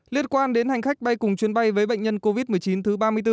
liên quan đến hành khách bay cùng chuyến bay với bệnh nhân covid một mươi chín thứ ba mươi bốn